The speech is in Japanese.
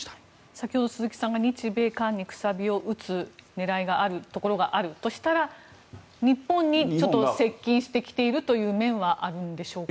先ほど鈴木さんが日米韓に楔を打つ狙いがあるところがあるとしたら日本に接近してきているという面はあるのでしょうか。